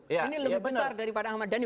ini lebih besar daripada ahmad dhani